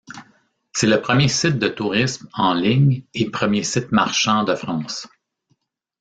C'est le premier site de tourisme en ligne et premier site marchand de France.